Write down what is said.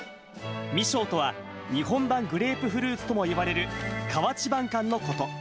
ミショーとは、日本版グレープフルーツともいわれる河内晩柑のこと。